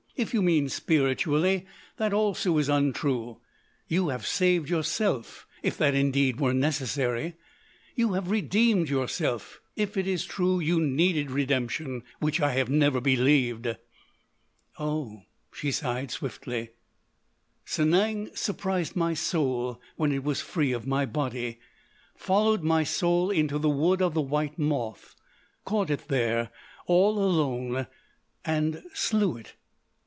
If you mean spiritually, that also is untrue. You have saved yourself—if that indeed were necessary. You have redeemed yourself—if it is true you needed redemption—which I never believed——" "Oh," she sighed swiftly, "Sanang surprised my soul when it was free of my body—followed my soul into the Wood of the White Moth—caught it there all alone—and—slew it!"